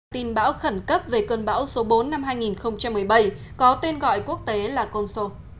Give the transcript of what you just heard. tin bão khẩn cấp về cơn bão số bốn năm hai nghìn một mươi bảy có tên gọi quốc tế là conso